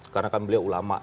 karena kan beliau ulama